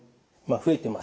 増えてます。